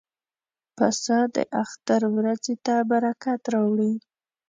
پسه د اختر ورځې ته برکت راوړي.